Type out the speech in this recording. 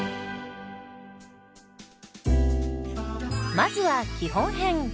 まずは基本編。